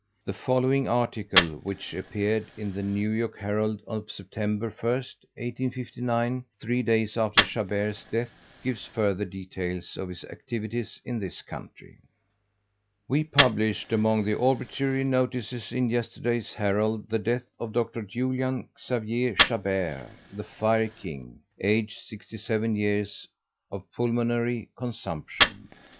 The following article, which appeared in the New York Herald of September 1st, 1859, three days after Chabert's death, gives further details of his activities in this country: We published among the obituary notices in yesterday's Herald the death of Dr. Julian Xavier Chabert, the "Fire King," aged 67 years, of pulmonary consumption.